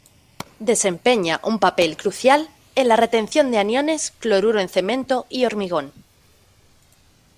Desempeña un papel crucial en la retención de aniones cloruro en cemento y hormigón.